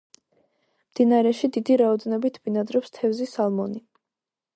მდინარეში დიდი რაოდენობით ბინადრობს თევზი სალმონი.